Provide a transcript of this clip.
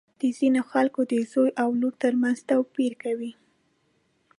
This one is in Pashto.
د ځینو خلکو د زوی او لور تر منځ توپیر کوي.